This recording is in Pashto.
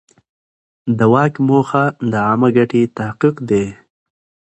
د واک موخه د عامه ګټې تحقق دی.